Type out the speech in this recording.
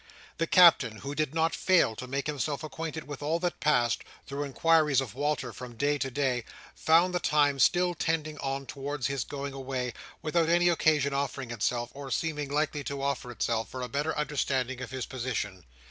The Captain, who did not fail to make himself acquainted with all that passed, through inquiries of Walter from day to day, found the time still tending on towards his going away, without any occasion offering itself, or seeming likely to offer itself, for a better understanding of his position.